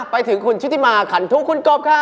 ไปถึงคุณชุติมาขันทุกคุณกบค่ะ